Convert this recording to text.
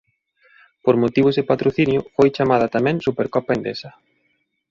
Por motivos de patrocinio foi chamada tamén Supercopa Endesa.